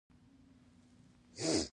ستاسو ګډون د راتلونکي پیغام دی.